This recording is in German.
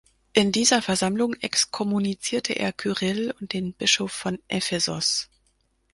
In dieser Versammlung exkommunizierte er Kyrill und den Bischof von Ephesos.